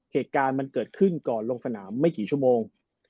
เหตุการณ์มันเกิดขึ้นก่อนลงสนามไม่กี่ชั่วโมง